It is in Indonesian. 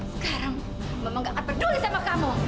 sekarang mama nggak akan peduli sama kamu